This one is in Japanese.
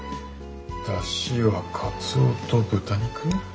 出汁はカツオと豚肉？